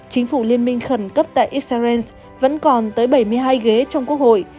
chính phủ liên minh khẩn cấp tại israel vẫn còn tới bảy mươi hai ghế trong quốc hội